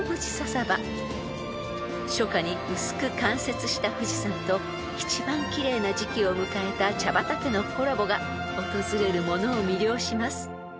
［初夏に薄く冠雪した富士山と一番奇麗な時期を迎えた茶畑のコラボが訪れる者を魅了します］